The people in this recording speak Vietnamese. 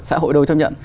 xã hội đâu chấp nhận